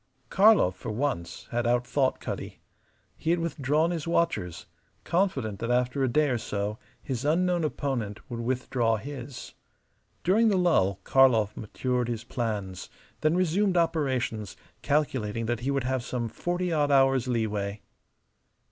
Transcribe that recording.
Karlov for once had outthought Cutty. He had withdrawn his watchers, confident that after a day or so his unknown opponent would withdraw his. During the lull Karlov matured his plans, then resumed operations, calculating that he would have some forty odd hours' leeway.